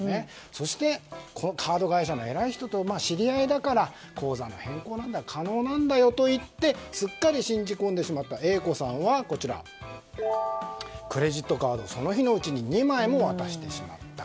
そして、カード会社の偉い人と知ってるから口座の変更も可能なんだよと言ってすっかり信じ込んでしまったＡ子さんはクレジットカードをその日のうちに２枚も渡してしまった。